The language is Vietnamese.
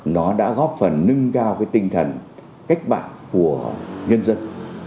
nó đã góp phần nâng cao cái tinh thần cách mạng của nhân dân